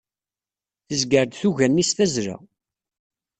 Tezger-d tuga-nni s tazzla.